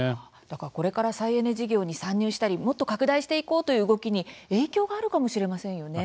だから、これから再エネ事業に参入したりもっと拡大していこうという動きに影響があるかもしれませんよね。